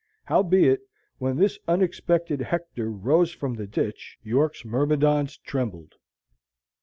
Howbeit, when this unexpected Hector arose from the ditch, York's myrmidons trembled.